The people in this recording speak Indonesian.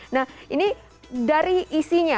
nah ini dari isinya